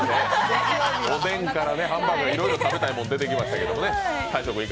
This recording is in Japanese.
おでんからハンバーグからいろいろ食べたいものが出てきましたからね。